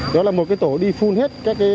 đó là một tổ đi phun hết các